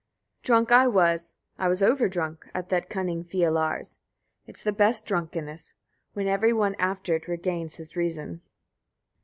14. Drunk I was, I was over drunk, at that cunning Fialar's. It's the best drunkenness, when every one after it regains his reason.